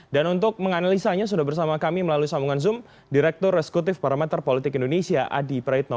dan untuk menganalisanya sudah bersama kami melalui sambungan zoom direktur reskutif parameter politik indonesia adi prayitno